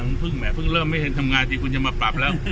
ยังฟึ่งแหมฟึ่งเริ่มไม่แทนทำงานผีคุณจะมาปรับแล้ว